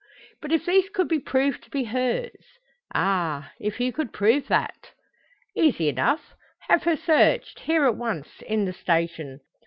"But if these could be proved to be hers?" "Ah! if you could prove that!" "Easy enough. Have her searched, here at once, in the station.